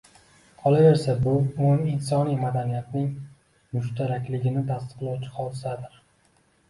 Qolaversa, bu umuminsoniy madaniyatning mushtarakligini tasdiqlovchi hodisadir.